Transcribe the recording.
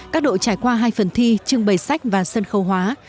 các đội trải qua hai phần thi trưng bày sách và sân khâu hóa